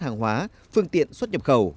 hàng hóa phương tiện xuất nhập khẩu